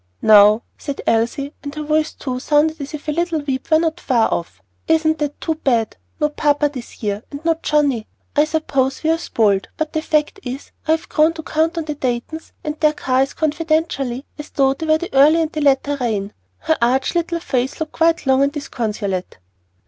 "Now," said Elsie, and her voice too sounded as if a "little weep" were not far off, "isn't that too bad? No papa this year, and no Johnnie. I suppose we are spoiled, but the fact is, I have grown to count on the Daytons and their car as confidently as though they were the early and the latter rain." Her arch little face looked quite long and disconsolate.